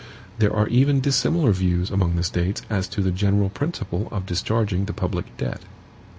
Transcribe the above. There are even dissimilar views among the States as to the general principle of discharging the public debt.